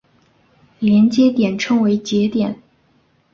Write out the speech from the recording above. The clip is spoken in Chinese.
连接点称为节点。